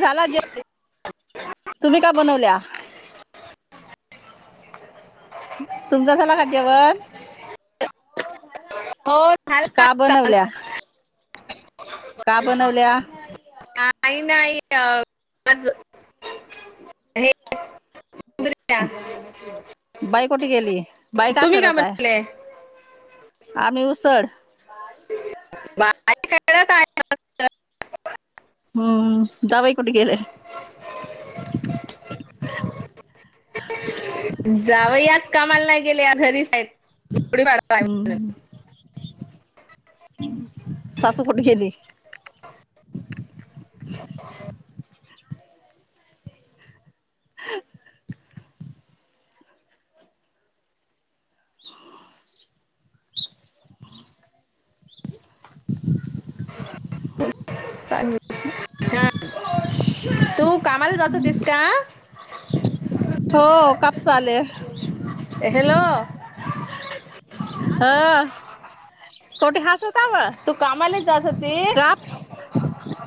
झाला जेवण तुम्ही का बनवल्या. तुमचा झाला का जेवण? हो झाला. हो झाला. [inaudible] आत्ताच. बनवल्या. का बनवल्या. काही नाही अ आज हे. उमरीया. [unintelligible] बाई कुठे गेली बाई का तुम्ही करत आहे? म्हणले आम्ही उसड. बा. हम्म जावई कुट गेले? जावई आज कामाला नाही गेले आज घरीच आहेत गुढी--पाडवा आहे म्हणून. हम्म सासू कुठ गेली? [unintelligible] हा. [inaudible] तू कामाला जात होतीस का? हो कापसाले. हॅलो. ह कोटी हसू का तू कामाला जात होती काप्स.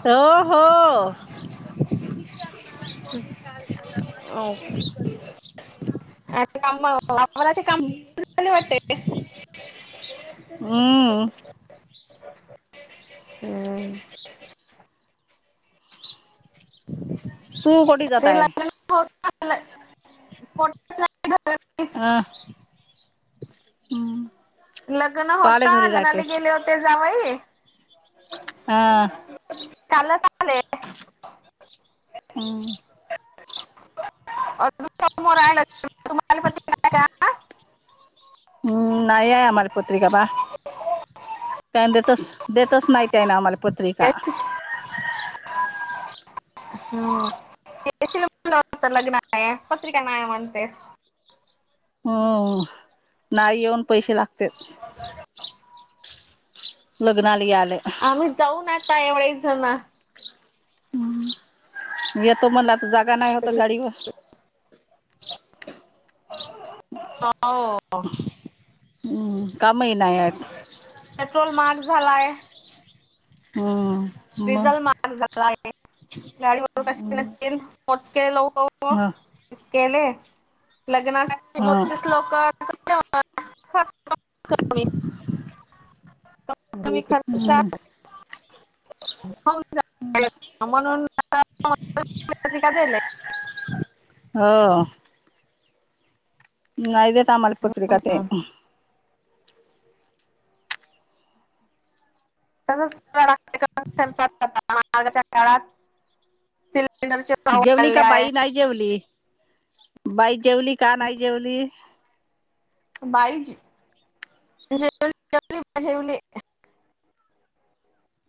हो हो. आ. अं, का आजचे काम झाले वाटते. हम्म. हम्. हम कोटी ते जाताय. लग्न होता ल- पोट- अ हम्. [unintelligible] लग्न होता लग्नाला गेले होते जावई. हा. कालच आले. हम्म अ लक्ष [inaudible] [unintelligible] हम् नाहीय आहे आम्हाला पत्रिका बा. का देतच देतच नाही का आम्हाला पत्रिका. का हम्म येशील म्हणलं होत लग्नाला, पत्रिका नाहीय म्हणतेस. हम नाही येऊन पैसे लागतेच. लग्नाला याले. आम्ही जाऊन आता येऊन जन. हम्म, येतो मला आता तर जागा नाही होत गाडीवर. हा. हम्म, कामही नाही आहेत. पेट्रोल महाग झालाय. हम. डीझल महाग झाला आहे गाडी वर कशी मोजके लोक हो ह केले लग्नासाठी मोजकीच ह लोक. क [unintelligible] खर्चा हो म्हणून आ कालय हो. नाही देत आम्हाला पत्रिका ते. तसच काढाय लागत खर्चाच्या काळात सिलेंडर जेवली का बाई नाही जेवली बाई जेवली का नाही जेवली बाई जेवन केले, जेवले. [unintelligible]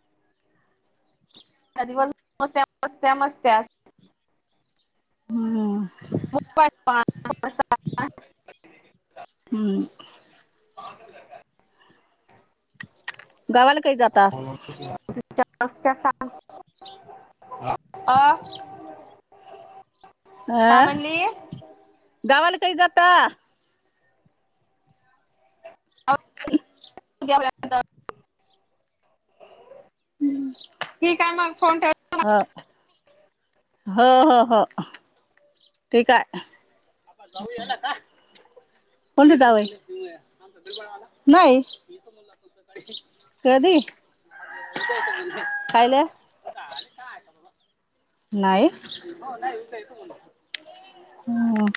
दिवस मस्त्या मस्त्या मस्त्यास हम्म मोबाईल प [unintelligible] ह [unintelligible] हम् [unintelligible] गावाला काधी जाता? तुच्या रस्त्या स [inaudible] [unintelligible] अ.... [inaudible] काय हंह म्हणली जाऊ गावाला कई जाता. ह [inaudible] ता [inaudible] हम् [unintelligible] ठीक आहे, मग फोन ठेवं. हांव. होंव- हों -होंव. ठीक आहे. [inaudible] जाऊया लकां. कोणती दवाई तुमाला मिळाले नाही. कधी [inaudible] कायलै ख्याले. नाहीं. [inaudible] म्